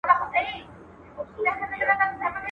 خوار که خداى کړې، دا بې غيرته چا کړې؟